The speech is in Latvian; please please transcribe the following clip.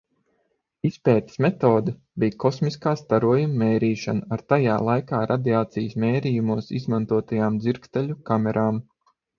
Izpētes medode bija kosmiskā starojuma mērīšana ar tajā laikā radiācijas mērījumos izmantotajām dzirksteļu kamerām.